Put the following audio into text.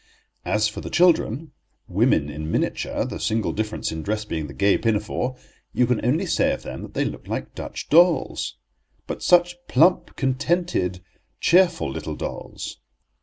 As for the children—women in miniature, the single difference in dress being the gay pinafore—you can only say of them that they look like Dutch dolls. But such plump, contented, cheerful little dolls!